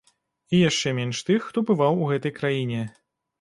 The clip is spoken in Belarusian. І яшчэ менш тых, хто бываў у гэтай краіне.